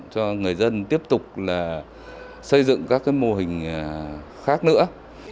cho người dân tiếp tục là xây dựng các mô hình khác nữa